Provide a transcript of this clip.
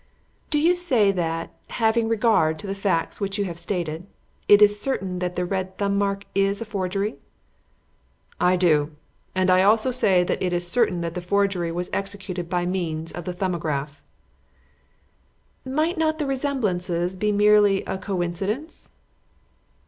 "Do you say that having regard to the facts which you have stated it is certain that the red thumb mark is a forgery?" "I do; and I also say that it is certain that the forgery was executed by means of the 'Thumbograph.'" "Might not the resemblances be merely a coincidence?"